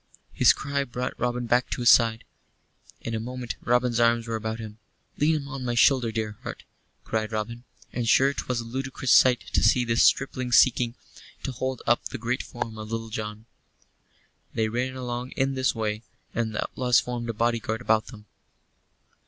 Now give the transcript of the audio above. His cry brought Robin back to his side. In a moment Robin's arms were about him. "Lean on my shoulder, dear heart," cried Robin, and sure 'twas a ludicrous sight to see this stripling seeking to hold up the great form of Little John. They ran along in this way, and the outlaws formed a bodyguard about them.